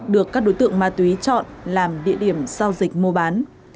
được các đối tượng ma túy chọn làm địa điểm giao dịch mua bán